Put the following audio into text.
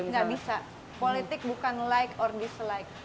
tidak bisa politik bukan like atau dislike